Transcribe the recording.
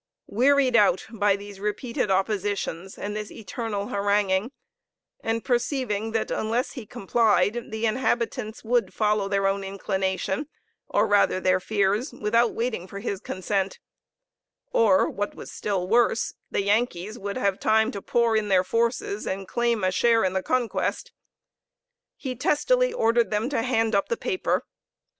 Wearied out by these repeated oppositions, and this eternal haranguing, and perceiving that unless he complied the inhabitants would follow their own inclination, or rather their fears, without waiting for his consent; or, what was still worse, the Yankees would have time to pour in their forces and claim a share in the conquest, he testily ordered them to hand up the paper.